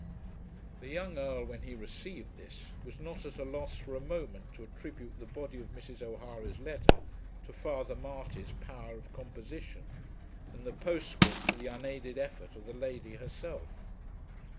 The young Earl, when he received this, was not at a loss for a moment to attribute the body of Mrs. O'Hara's letter to Father Marty's power of composition, and the postscript to the unaided effort of the lady herself.